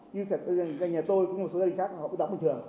như thật là nhà tôi cũng như một số gia đình khác họ cũng đóng bình thường